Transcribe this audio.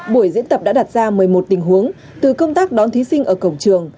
buổi diễn tập đã đặt ra một mươi một tình huống từ công tác đón thí sinh ở cổng trường